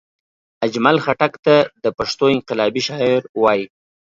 اجمل خټګ ته دا پښتو انقلابي شاعر وايي